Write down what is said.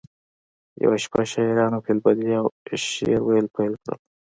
یوه شپه شاعرانو فی البدیهه شعر ویل پیل کړل